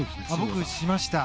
僕、しましたね。